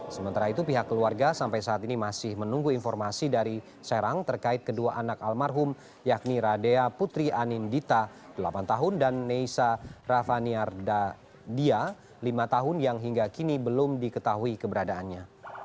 sementara itu pihak keluarga sampai saat ini masih menunggu informasi dari serang terkait kedua anak almarhum yakni radea putri anindita delapan tahun dan neisa ravaniar dia lima tahun yang hingga kini belum diketahui keberadaannya